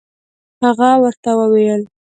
هغه ورته ویل.